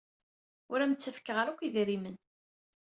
Ur am-ttakfeɣ ara akk idrimen.